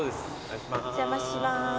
お邪魔します。